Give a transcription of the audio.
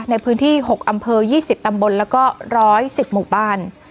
ในพื้นที่๖อำเภอ๒๐ตำบลแล้วก็๑๑๐หมู่บ้าน